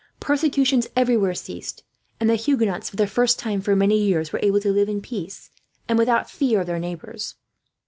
Persecutions everywhere ceased; and the Huguenots, for the first time for many years, were able to live in peace, and without fear of their neighbours.